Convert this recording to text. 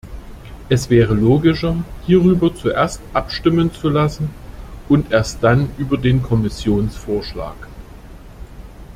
Es wäre logischer, hierüber zuerst abstimmen zu lassen und erst dann über den Kommissionsvorschlag.